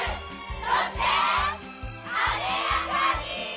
そして艶やかに！